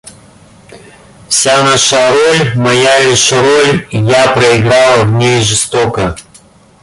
Вся наша роль - моя лишь роль Я проиграла в ней жестоко.